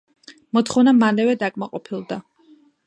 მოთხოვნა მალევე დაკმაყოფილდა.